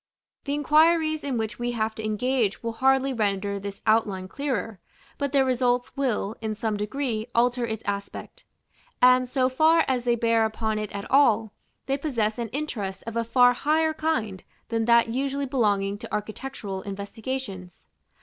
The inquiries in which we have to engage will hardly render this outline clearer, but their results will, in some degree, alter its aspect; and, so far as they bear upon it at all, they possess an interest of a far higher kind than that usually belonging to architectural investigations.